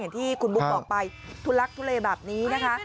อย่างที่คุณบุ๊คบอกไปทุลักทุเลแบบนี้นะคะ